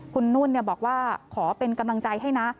คุณนุ่นบอกว่าขอเป็นกำลังใจให้นะ